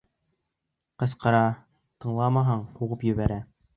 Ҡысҡыра, тыңламаһаң, һуғып ебәрә.